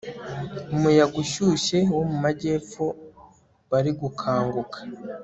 umuyaga ushyushye wo mu majyepfo wari gukanguka